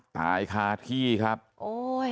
ตายคาที่ครับโอ้ย